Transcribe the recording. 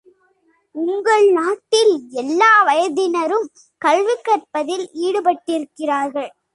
உங்கள் நாட்டில், எல்லா வயதினரும் கல்வி கற்பதில் ஈடுபட்டிருக்கிறார்கள்.